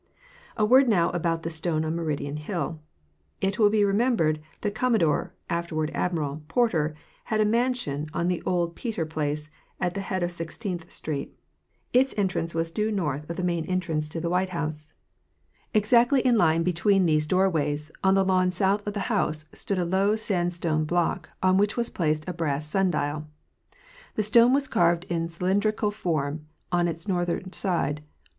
A word now about the stone on Meridian hill. It will be re membered that Commodore (afterward Admiral) Porter had a mansion on the old Peter place, at the head of Sixteenth street. Its main entrance was due north of the main entrance to the ee The present location of the Meridian Stone. 163 White House. Exactly in line between these doorways, on the lawn south of the house, stood a low sandstone block, on which was placed a brass sun dial. The stone was carved in cylindrical form on its northern side.